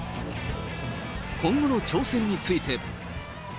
今後の挑戦について。